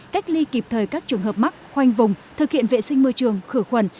cách ly kịp thời các trường hợp mắc khoanh vùng thực hiện vệ sinh môi trường khử khuẩn